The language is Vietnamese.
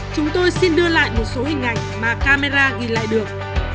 chúng tôi xin đưa lại một số hình ảnh mà camera ghi lại được